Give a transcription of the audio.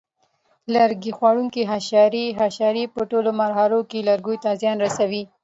لرګي خوړونکي حشرې: حشرې په ټولو مرحلو کې لرګیو ته زیان رسوي.